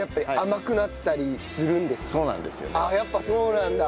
やっぱそうなんだ。